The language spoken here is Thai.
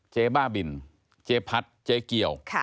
เจ๊บ้าบินเจ๊พัดเจ๊เกี่ยว